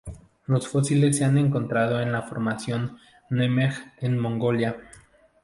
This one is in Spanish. Los fósiles se han encontrado en la Formación Nemegt en Mongolia.